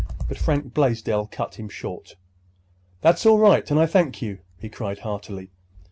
But Frank Blaisdell cut him short. "That's all right, and I thank you," he cried heartily.